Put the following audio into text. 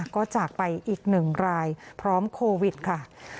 ก็จากไปอีก๑รายพร้อมโควิดค่ะ